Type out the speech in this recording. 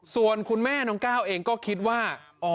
ส่วนคุณแม่น้องก้าวเองก็คิดว่า